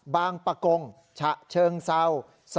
บางประกงฉะเชิงเศร้า๒๔๑๓๐